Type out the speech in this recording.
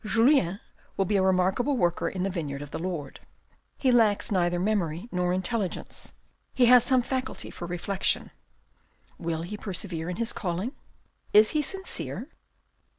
Julien will be a remarkable worker in the vineyard of the Lord. He lacks neither memory nor intelligence : he has some faculty for reflection. Will he persevere in his calling? Is he sincere?"